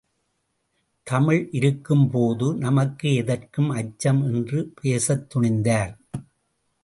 தமிழ் இருக்கும்போது நமக்கு எதற்கு அச்சம் என்று பேசத் துணிந்தார்.